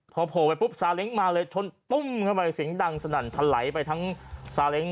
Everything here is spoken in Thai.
พอโผล่ไปปุ๊บซาเล้งมาเลยชนตุ้มเข้าไปเสียงดังสนั่นทะไหลไปทั้งซาเล้ง